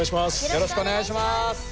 よろしくお願いします。